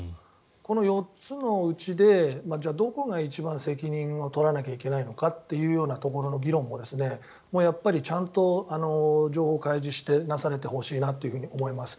この４つのうちでじゃあどこが一番責任を取らなければいけないのかというところの議論もやっぱりちゃんと情報を開示してなされてほしいなと思います。